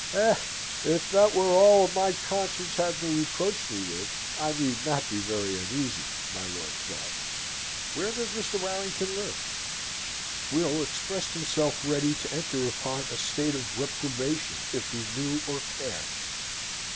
Eh! if that were all my conscience had to reproach me with, I need not be very uneasy! my lord thought. "Where does Mr. Warrington live?" Will expressed himself ready to enter upon a state of reprobation if he knew or cared.